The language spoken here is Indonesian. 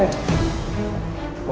bisa di rumah